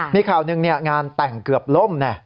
มีข่าวหนึ่งงานแต่งเกือบล่ม